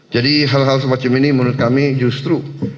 jadi hal hal semacam ini menurut kami justru